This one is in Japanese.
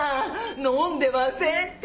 飲んでませんって！